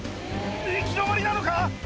行き止まりなのか？